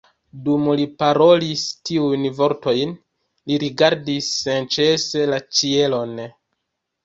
Dum li parolis tiujn vortojn, li rigardis senĉese la ĉielon.